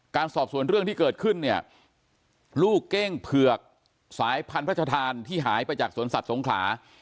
สอบส่วนเรื่องที่เกิดขึ้นเนี่ยลูกเก้งเผือกสายพันธุ์ที่หายไปจากสวนสัตว์สงขลา